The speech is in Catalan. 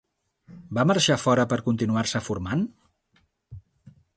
Va marxar fora per continuar-se formant?